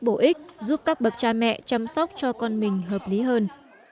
bổ ích giúp các bậc cha mẹ chăm sóc cho con mình hợp lý hơn